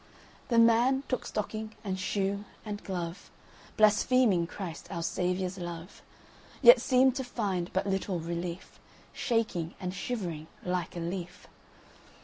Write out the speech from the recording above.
The man took stocking and shoe and glove, Blaspheming Christ our Saviour's love, Yet seemed to find but little relief, Shaking and shivering like a leaf.